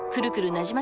なじま